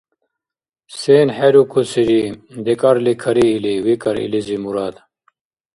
— Сен хӀерукусири, декӀарли кариили? – викӀар илизи Мурад.